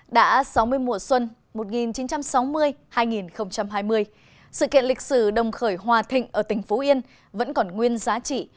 đã sáu mươi mùa xuân một nghìn chín trăm sáu mươi hai nghìn hai mươi sự kiện lịch sử đồng khởi hòa thịnh ở tỉnh phú yên vẫn còn nguyên giá trị